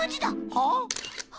はあ？